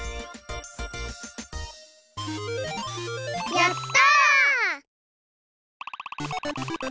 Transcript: やった！